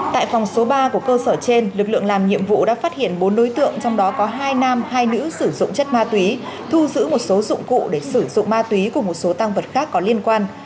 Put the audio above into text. tại phòng số ba của cơ sở trên lực lượng làm nhiệm vụ đã phát hiện bốn đối tượng trong đó có hai nam hai nữ sử dụng chất ma túy thu giữ một số dụng cụ để sử dụng ma túy cùng một số tăng vật khác có liên quan